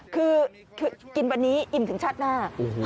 คือกินวันนี้อิ่มถึงชาติหน้า